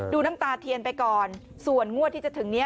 น้ำตาเทียนไปก่อนส่วนงวดที่จะถึงนี้